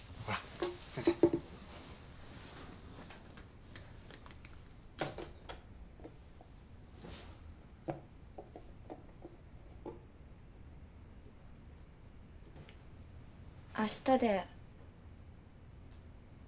あしたで。